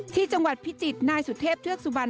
ที่จังหวัดพิจิตรนายสุเทพเทือกสุบัน